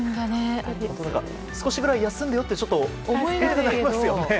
少しぐらい休んでよって思いたくなりましょね。